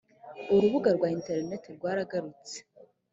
urubuga rwa interineti rwaragutse.